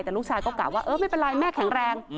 แต่ลูกชายก็กล่าวว่าเออไม่เป็นไรแม่แข็งแรง